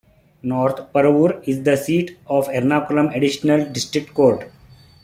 North Paravur is the seat of Ernakulam Additional District court.